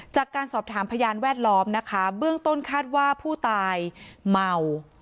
จากการสอบถามพยานแวดล้อมนะคะเบื้องต้นคาดว่าผู้ตายเมา